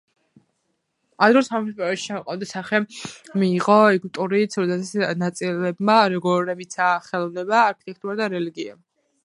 ადრეული სამეფოს პერიოდში ჩამოყალიბებული სახე მიიღო ეგვიპტური ცივილიზაციის ნაწილებმა, როგორებიცაა ხელოვნება, არქიტექტურა და რელიგია.